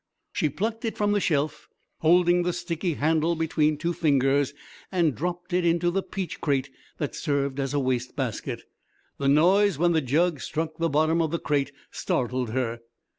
She plucked it from the shelf, holding the sticky handle between two fingers, and dropped it into the peach crate that served as a waste basket. The noise when the jug struck the bottom of the crate startled her.